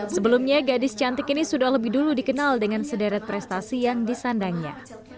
sebelumnya gadis cantik ini sudah lebih dulu dikenal dengan sederet prestasi yang disandangnya